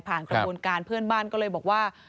กระบวนการเพื่อนบ้านก็เลยบอกว่า